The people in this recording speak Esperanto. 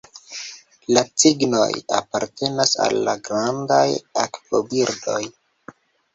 La cignoj apartenas al la grandaj akvobirdoj.